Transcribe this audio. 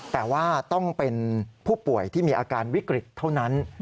แต่ว่าต้องเป็นผู้ป่วยที่มีอาการวิกฤตเท่านั้น